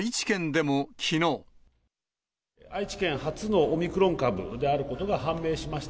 愛知県初のオミクロン株であることが判明しました。